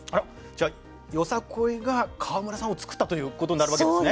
じゃあよさこいが川村さんをつくったということになるわけですね？